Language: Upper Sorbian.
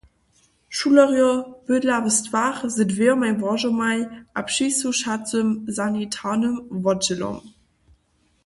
Šulerjo bydla w stwach z dwěmaj łožomaj a přisłušacym sanitarnym wotdźělom.